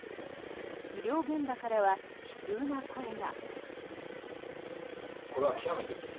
医療現場からは悲痛な声が。